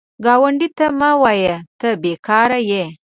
ګاونډي ته مه وایه “ته بېکاره یې”